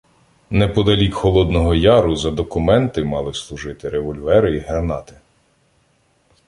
Неподалік Холодного Яру за документи мали служити револьвери й гранати.